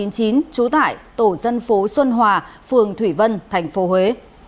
trú tại tổ dân phố xuân hòa phường thủy vân thành phố huế